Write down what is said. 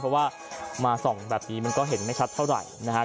เพราะว่ามาส่องแบบนี้มันก็เห็นไม่ชัดเท่าไหร่นะครับ